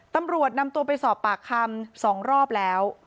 ตำรวจนำตัวไปสอบปากคำ๒รอบแล้ว